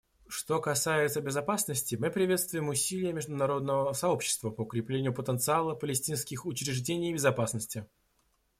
Что касается безопасности, мы приветствуем усилия международного сообщества по укреплению потенциала палестинских учреждений безопасности.